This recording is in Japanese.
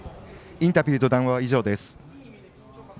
インタビューと談話は以上です。